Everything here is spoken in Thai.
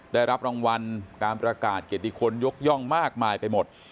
ได้รับรางวัลการประกาศเกียรติคนยกย่องมากมายไปหมด